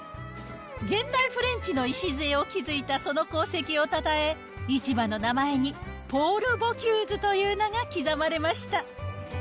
現代フレンチの礎を築いたその功績をたたえ、市場の名前にポール・ボキューズという名が刻まれました。